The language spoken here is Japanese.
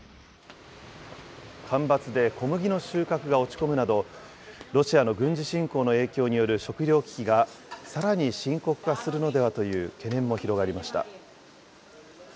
干ばつで小麦の収穫が落ち込むなど、ロシアの軍事侵攻の影響による食料危機がさらに深刻化するのではという懸念も広がりました。